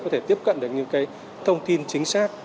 có thể tiếp cận được những thông tin chính xác